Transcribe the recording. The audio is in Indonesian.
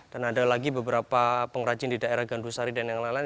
dan ada lagi beberapa pengrajin di daerah gandusari dan yang lain lain